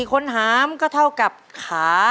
คนหามก็เท่ากับขา